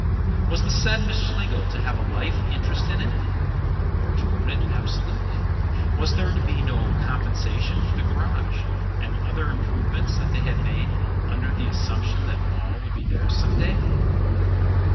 Was the said Miss Schlegel to have a life interest in it, or to own it absolutely? Was there to be no compensation for the garage and other improvements that they had made under the assumption that all would be theirs some day?